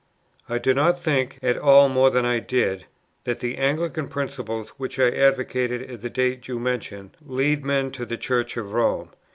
I do not think, at all more than I did, that the Anglican principles which I advocated at the date you mention, lead men to the Church of Rome.